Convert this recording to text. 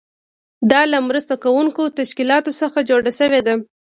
دا له مرسته کوونکو تشکیلاتو څخه جوړه شوې ده.